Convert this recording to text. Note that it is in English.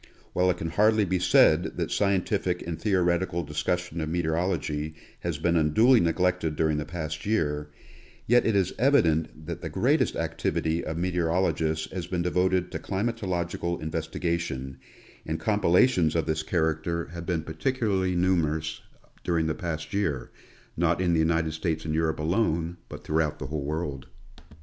While it can hardly be said that scien tific and theoretical discussion of meteorology has been unduly neglected during the past year, yet it is evident that the great est activity of meteorologists has been devoted to climatological investigation, and compilations of this character have been par 152 National Geographic Magazine. ticularly numerous during the past year — not in the United States and Europe alone, but throughout the whole world.